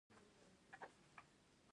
پوپی ګل نازکې پاڼې لري